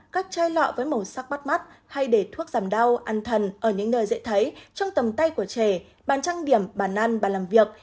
các chai lọ với màu sắc bắt mắt hay để thuốc giảm đau ăn thần ở những nơi dễ thấy trong tầm tay của trẻ bàn trang điểm bàn ăn bàn làm việc